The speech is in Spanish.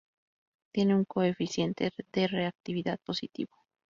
Tiene un coeficiente de reactividad positivo.